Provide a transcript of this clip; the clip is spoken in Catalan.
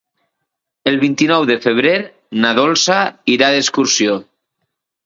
El vint-i-nou de febrer na Dolça irà d'excursió.